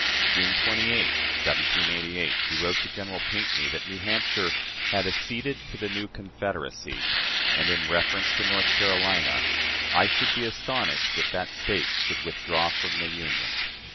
June 28, 1788, he wrote to General Pinckney that New Hampshire "had acceded to the new Confederacy," and, in reference to North Carolina, "I should be astonished if that State should withdraw from the Union."